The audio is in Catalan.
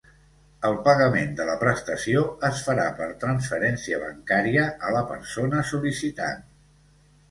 El pagament de la prestació es farà per transferència bancària a la persona sol·licitant.